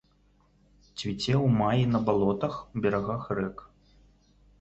Цвіце ў маі на балотах, берагах рэк.